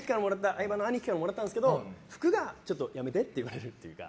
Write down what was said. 相葉の兄貴からもらったんですけど服がちょっとやめてって言われるっていうか。